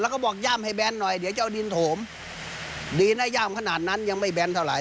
แล้วก็บอกย่ามให้แบนหน่อยเดี๋ยวจะเอาดินโถมดินให้ย่ามขนาดนั้นยังไม่แนนเท่าไห